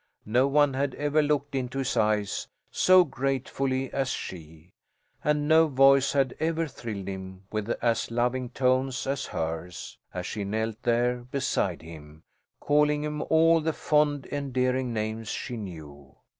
No one had ever looked into his eyes so gratefully as she, and no voice had ever thrilled him with as loving tones as hers, as she knelt there beside him, calling him all the fond endearing names she knew.